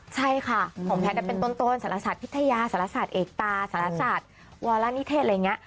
ใช่ค่ะของแพทย์เป็นต้นสารศาสตร์พิทยาสารศาสตร์เอกตาสารศาสตร์วรนิเทศอะไรอย่างนี้